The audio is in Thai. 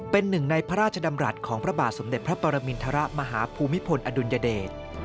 เป็นหนึ่งในพระราชดำรัฐของพระบาทสมเด็จพระปรมินทรมาฮภูมิพลอดุลยเดช